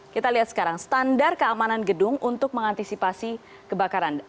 kita lihat sekarang standar keamanan gedung untuk mengantisipasi kebakaran